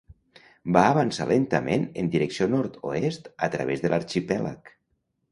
Va avançar lentament en direcció nord-oest a través l'arxipèlag.